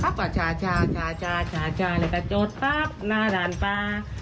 พับว่าช้าช้าช้าช้าช้าแล้วก็จดปั๊บหน้าด้านป่า